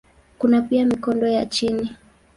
Kuna pia mikondo ya chini.